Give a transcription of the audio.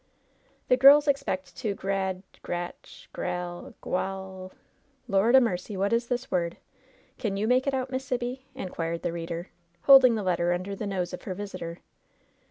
" The girls expect to grad — grat — ^gral — ^gual ^ "Lord 'a' mercy ! what is this word ? Can you make it out, Miss Sibby?" inquired the reader, holding the letter under the nose of the visitor.